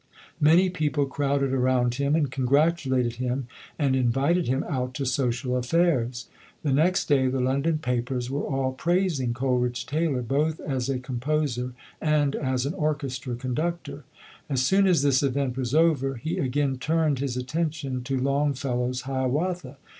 Many people crowded around him SAMUEL COLERIDGE TAYLOR [ and congratulated him and invited him out to social affairs. The next day the London papers were all praising Coleridge Taylor both as a com poser and as an orchestra conductor. As soon as this event was over, he again turned his attention to Longfellow's "Hiawatha".